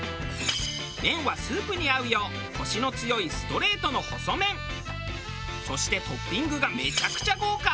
麺はスープに合うようコシの強いそしてトッピングがめちゃくちゃ豪華。